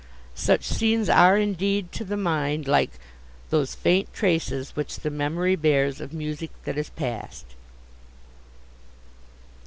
Such scenes are indeed, to the mind, like "those faint traces which the memory bears of music that is past."